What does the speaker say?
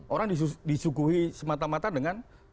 orang disuguhi semata mata dengan